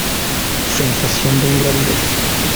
Sensación de ingravidez.